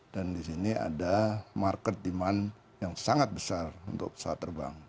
dan di sini ada market demand yang sangat besar untuk pesawat terbang